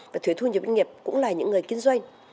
và thuế thu nhập doanh nghiệp cũng là những người kinh doanh